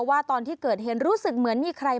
ว่าตอนที่เกิดเหตุรู้สึกเหมือนมีใคร